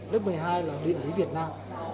lớp một mươi hai là địa lý việt nam